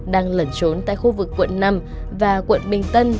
đang lẩn trốn tại khu vực quận năm và quận bình tân